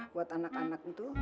buat anak anak itu